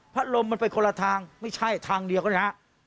พัดลมมันไปคนละทางไม่ใช่ทางเดียวก็นะครับ